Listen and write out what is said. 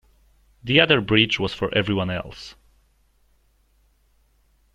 The other bridge was for everyone else.